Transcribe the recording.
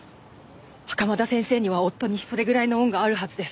袴田先生には夫にそれぐらいの恩があるはずです。